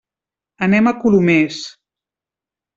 Anem a Colomers.